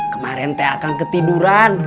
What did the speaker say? kemarin teh akan ketiduran